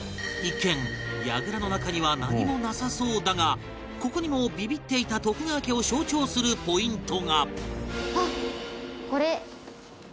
一見櫓の中には何もなさそうだがここにもビビっていた徳川家を象徴するポイントが